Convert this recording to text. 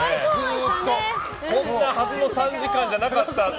こんなはずの３時間じゃなかったって。